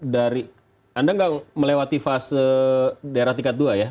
dari anda nggak melewati fase daerah tingkat dua ya